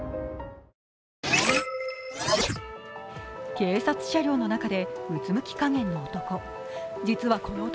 警察車両の中でうつむき加減の男。